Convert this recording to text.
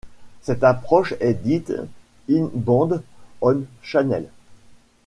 Cette approche est dite in-band on-channel.